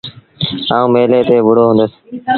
آئوٚݩ ميلي تي وُهڙو هُندس۔